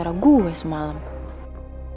padahal dia udah gak harus sama gue lagi ya